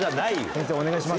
先生お願いします。